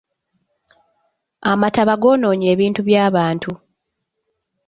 Amataba goonoonye ebintu by'abantu.